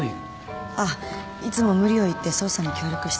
あっいつも無理を言って捜査に協力していただいてます